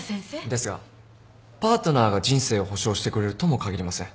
ですがパートナーが人生を保証してくれるとも限りません。